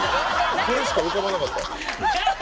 これしか浮かばなかった。